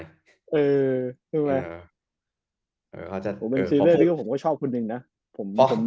ผมก็ชอบคุณหนึ่งนะ